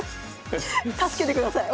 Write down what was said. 助けてください。